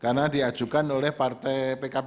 karena diajukan oleh partai pkb